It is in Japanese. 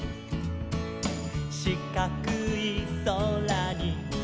「しかくいそらに」